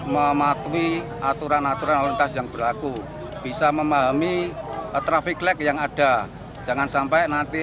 mematuhi aturan aturan lalu lintas yang berlaku bisa memahami traffic lag yang ada jangan sampai nanti